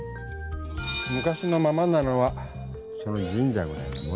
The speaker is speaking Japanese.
昔のままなのはその神社ぐらいなもんだ。